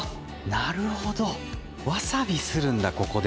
なるほどわさびするんだここで。